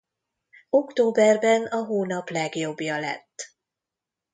Októberben a hónap legjobbja lett.